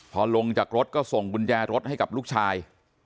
พอลงจากรถก็ส่งกุญแจรถให้กับลูกชาย